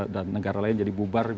dan negara lain jadi bubar